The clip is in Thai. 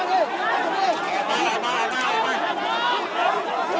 มีคนเบื้องต้นเห็นชาวบ้านเจ็บมาก่อน